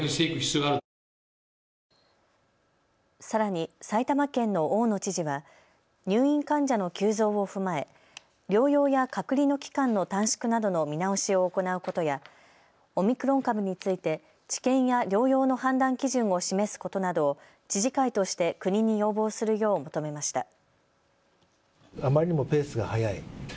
さらに埼玉県の大野知事は入院患者の急増を踏まえ療養や隔離の期間の短縮などの見直しを行うことやオミクロン株について知見や療養の判断基準を示すことなどを知事会として国に要望するよう求めました。